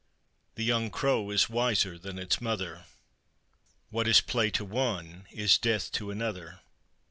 The young crow is wiser than its mother. What is play to one is death to another.